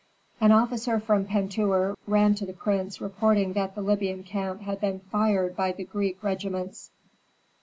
An officer from Pentuer ran to the prince reporting that the Libyan camp had been fired by the Greek regiments.